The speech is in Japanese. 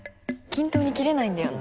均等に切れないんだよ。